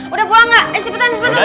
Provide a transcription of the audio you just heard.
udah pulang gak eh cepetan cepetan pulang